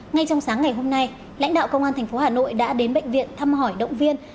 ngay trong sáng ngày hôm nay lãnh đạo công an tp hà nội đã đến bệnh viện thăm hỏi động viên